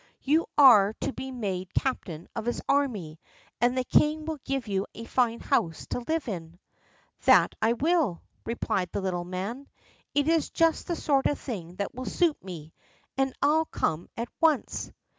You are to be made captain of his army, and the king will give you a fine house to live in." "That I will," replied the little man. "It is just the sort of thing that will suit me, and I'll come at once."